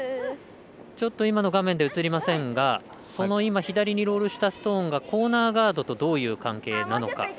ちょっと今の画面で映りませんが左にロールしたストーンがコーナーガードとどういう関係なのか。